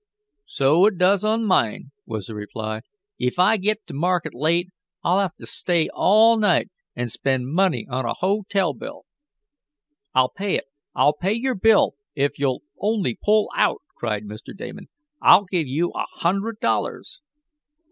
"So it does on mine," was the reply. "Ef I git t' market late I'll have t' stay all night, an' spend money on a hotel bill." "I'll pay it! I'll pay your bill if you'll only pull out!" cried Mr. Damon. "I'll give you a hundred dollars!"